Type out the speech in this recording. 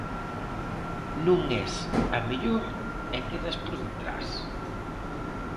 Non es a mellor e quedas por detrás.